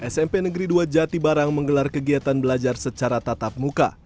smp negeri dua jatibarang menggelar kegiatan belajar secara tatap muka